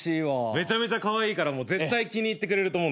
めちゃめちゃカワイイから絶対気に入ってくれると思う。